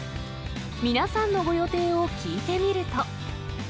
皆さんのご予定を聞いてみると。